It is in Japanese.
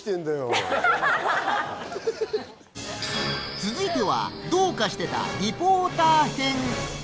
続いてはどうかしてたリポーター編。